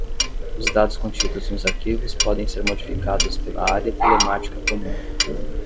Os dados contidos nos arquivos podem ser modificados pela Área Telemática Comum.